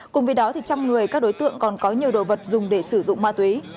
cùng vì đó trong người các đối tượng còn có nhiều đồ vật dùng để sử dụng ma túy